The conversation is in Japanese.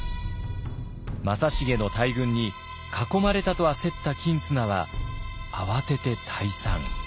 正成の大軍に囲まれたと焦った公綱は慌てて退散。